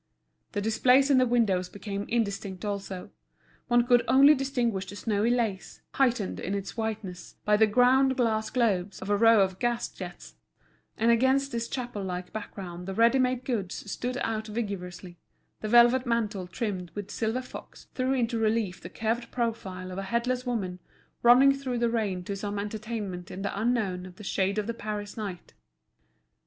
The displays in the windows became indistinct also; one could only distinguish the snowy lace, heightened in its whiteness by the ground glass globes of a row of gas jets, and against this chapel like background the ready made goods stood out vigorously, the velvet mantle trimmed with silver fox threw into relief the curved profile of a headless woman running through the rain to some entertainment in the unknown of the shades of the Paris night.